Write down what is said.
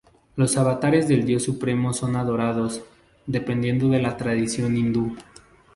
Los avatares del Dios Supremo son adorados, dependiendo de la tradición hindú.